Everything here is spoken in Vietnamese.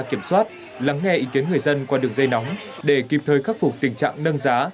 kiểm soát lắng nghe ý kiến người dân qua đường dây nóng để kịp thời khắc phục tình trạng nâng giá